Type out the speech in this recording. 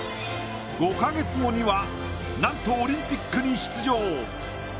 ５カ月後にはなんとオリンピックに出場。